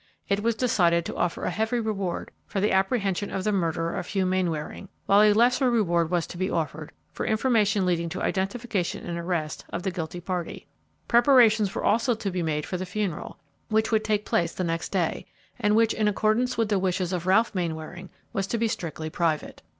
It was decided to offer a heavy reward for the apprehension of the murderer of Hugh Mainwaring, while a lesser reward was to be offered for information leading to identification and arrest of the guilty party. Preparations were also to be made for the funeral, which would take place the next day, and which, in accordance with the wishes of Ralph Mainwaring, was to be strictly private.